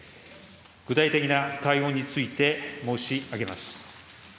具体的な対応について申し上げます。